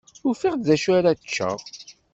Ufiɣ-d d acu ara ččeɣ.